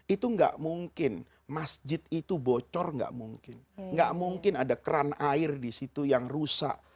itu nggak mungkin masjid itu bocor nggak mungkin nggak mungkin ada keran air di situ yang rusak